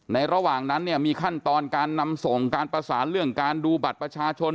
ระหว่างนั้นเนี่ยมีขั้นตอนการนำส่งการประสานเรื่องการดูบัตรประชาชน